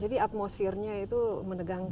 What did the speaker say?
jadi atmosfernya itu menegangkan